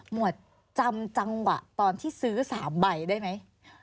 วดจำจังหวะตอนที่ซื้อ๓ใบได้ไหม